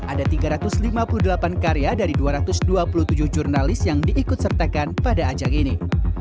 ada tiga ratus lima puluh delapan karya dari dua ratus dua puluh tujuh jurnalis yang diikut sertakan pada ajang ini